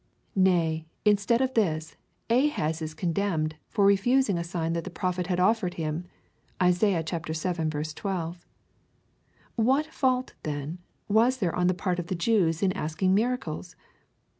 Nay, instead of this, Ahaz is condemned for refusing a sign that the Pro phet had offered him, (Isaiah vii. 12.) What fault, then, was there on the part of the Jews in asking miracles